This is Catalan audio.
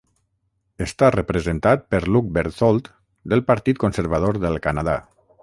Està representat per Luc Berthold del partit Conservador del Canadà.